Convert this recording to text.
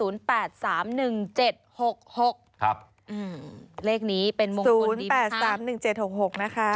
เลขนี้เป็นมงคลดีมค่ะ๐๘๓๑๗๖๖นะคะ